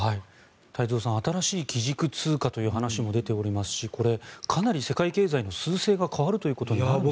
太蔵さん新しい基軸通貨という話も出ておりますしかなり世界経済のすう勢が変わるということになるんですか？